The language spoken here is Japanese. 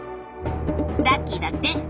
ラッキーだって？